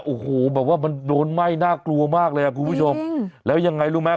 โอ้โหแบบว่ามันโดนไหม้น่ากลัวมากเลยอ่ะคุณผู้ชมแล้วยังไงรู้ไหม